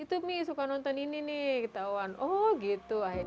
itu mi suka nonton ini nih ketahuan oh gitu